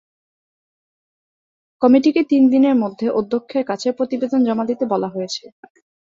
কমিটিকে তিন দিনের মধ্যে অধ্যক্ষের কাছে প্রতিবেদন জমা দিতে বলা হয়েছে।